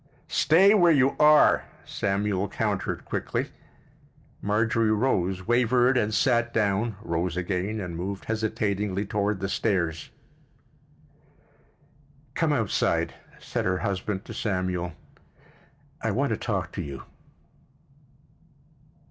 "Stay where you are!" Samuel countered quickly. Marjorie rose, wavered, and sat down, rose again and moved hesitatingly toward the stairs. "Come outside," said her husband to Samuel. "I want to talk to you."